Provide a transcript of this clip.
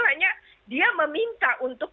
hanya dia meminta untuk